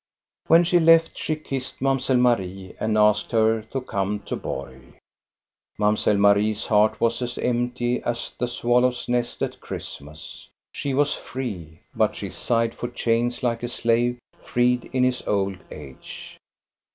When she left, she kissed Mamselle Marie and asked her to come to Borg. Mamselle Marie's heart was as empty as the swal low's nest at Christmas. She was free, but she sighed for chains like a slave freed in his old age.